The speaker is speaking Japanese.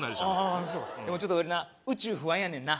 ああそっかでもちょっと俺な宇宙不安やねんな